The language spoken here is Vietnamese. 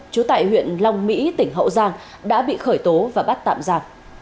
trú tại huyện long mỹ tỉnh hậu giang đã bị khởi tố và bắt tạm giả